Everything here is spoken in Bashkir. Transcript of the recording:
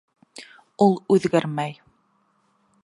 Ул үҙгәрмәй.